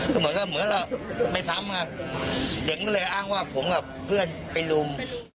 ก็บอกว่าเหมือนเราไปซ้ำค่ะเด็กก็เลยอ้างว่าผมกับเพื่อนเป็นลุม